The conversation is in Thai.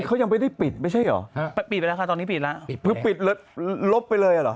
เค้ายังไม่ได้ปิดไม่ใช่หรอปิดตอนนี้ไปหลบไปเลย